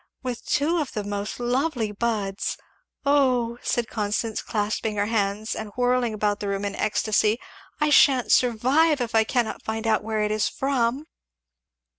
with two of the most lovely buds Oh!" said Constance clasping her hands and whirling about the room in comic ecstasy "I sha'n't survive if I cannot find out where it is from!